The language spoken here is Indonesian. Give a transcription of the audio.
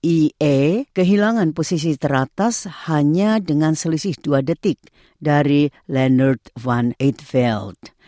ie kehilangan posisi teratas hanya dengan selisih dua detik dari leonard van eetveld